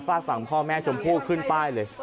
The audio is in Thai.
ฟาดสั่งพ่อแม่ชมพู่ขึ้นไปเลย